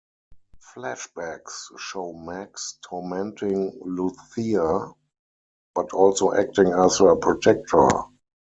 Flashbacks show Max tormenting Lucia, but also acting as her protector.